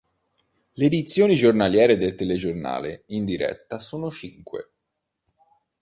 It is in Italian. Le edizioni giornaliere del telegiornale, in diretta, sono cinque.